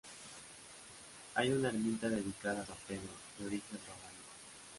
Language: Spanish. Hay una ermita dedicada a San Pedro, de origen románico.